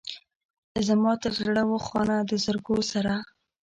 زما تر زړه و خانه د زرګو سره.